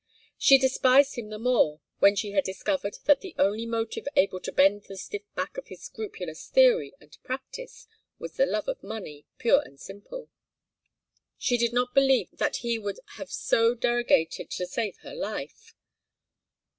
She despised him the more when she had discovered that the only motive able to bend the stiff back of his scrupulous theory and practice was the love of money, pure and simple. She did not believe that he would have so derogated to save her life.